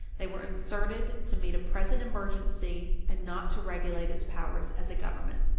They were inserted to meet a present emergency, and not to regulate its powers as a Government.